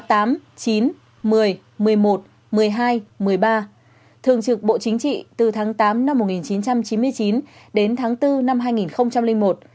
thường trực bộ chính trị từ tháng tám năm một nghìn chín trăm chín mươi chín đến tháng bốn năm hai nghìn một